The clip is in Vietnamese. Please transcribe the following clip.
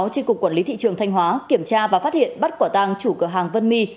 tri cục quản lý thị trường thanh hóa kiểm tra và phát hiện bắt quả tàng chủ cửa hàng vân my